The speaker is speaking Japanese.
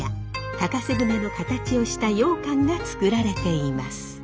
高瀬舟の形をしたようかんが作られています。